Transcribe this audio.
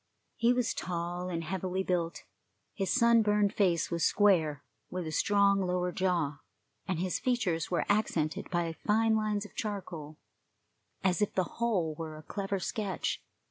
He was tall and heavily built; his sunburned face was square, with a strong lower jaw, and his features were accented by fine lines of charcoal, as if the whole were a clever sketch.